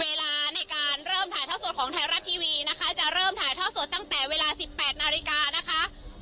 เวลาในการเริ่มถ่ายท่อสดของไทยรัฐทีวีนะคะจะเริ่มถ่ายท่อสดตั้งแต่เวลาสิบแปดนาฬิกานะคะ